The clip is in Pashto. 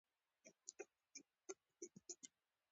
ستوني غرونه د افغانستان د اقتصادي ودې لپاره ارزښت لري.